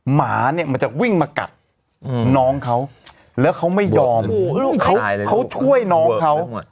หมาเนี่ยมันจะวิ่งมากัดน้องเขาแล้วเขาไม่ยอมเขาช่วยน้องเขา